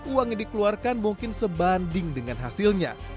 uang yang dikeluarkan mungkin sebanding dengan hasilnya